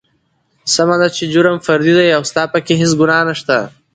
سمه ده چې جرم فردي دى او ستا پکې هېڅ ګنا نشته.